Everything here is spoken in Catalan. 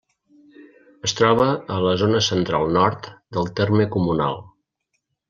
Es troba a la zona central-nord del terme comunal.